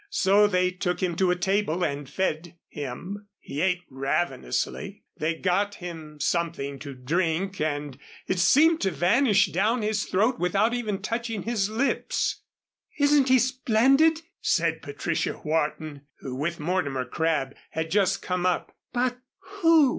So they took him to a table and fed him. He ate ravenously. They got him something to drink and it seemed to vanish down his throat without even touching his lips. "Isn't he splendid?" said Patricia Wharton, who, with Mortimer Crabb, had just come up. "But who